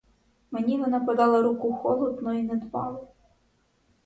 Мені вона подала руку холодно й недбало.